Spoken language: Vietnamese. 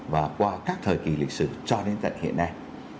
và qua các thời kỳ lịch sử cho đến tận hiện nay